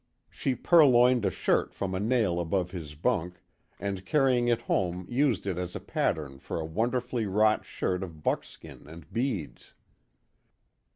She purloined a shirt from a nail above his bunk, and carrying it home used it as a pattern for a wonderfully wrought shirt of buckskin and beads.